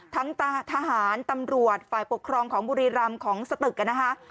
ทั้งทหารตำรวจฝ่ายปกครองของบุรีรำของสตึกนะคะ